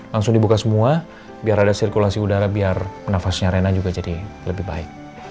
langsung dibuka semua biar ada sirkulasi udara biar nafasnya rena juga jadi lebih baik